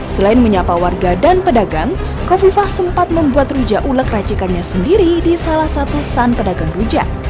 selain menyapa warga dan pedagang kofifah sempat membuat rujak ulek racikannya sendiri di salah satu stand pedagang rujak